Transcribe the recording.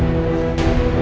kalau mama gak akan mencari